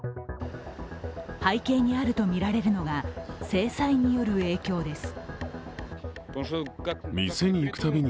背景にあるとみられるのが制裁による影響です。